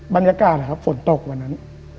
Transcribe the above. บรรยากาศนะครับฝนตกวันนั้น